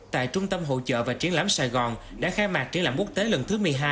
tại trung tâm hỗ trợ và triển lãm sài gòn đã khai mạc triển lãm quốc tế lần thứ một mươi hai